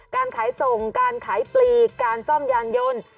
การขายส่งการขายปลีการซ่อมยานยนต์